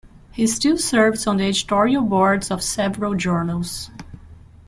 He still serves on the editorial boards of several journals.